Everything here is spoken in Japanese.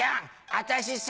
私さ